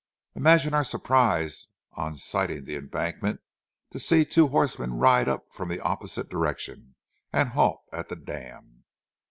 Imagine our surprise on sighting the embankment to see two horsemen ride up from the opposite direction and halt at the dam.